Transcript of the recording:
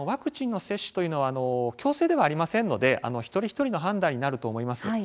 ワクチンの接種は強制ではありませんので一人一人の判断になると思います。